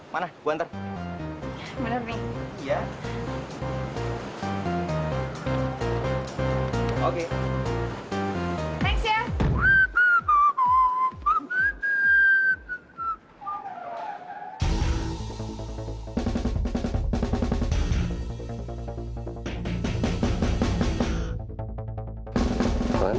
mana gua ntar